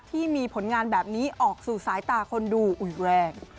ที่มีผลงานแบบนี้ออกสู่สายตาคนดูอุ่นแรง